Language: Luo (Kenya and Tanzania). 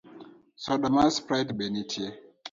Soda mar sprite be nitie?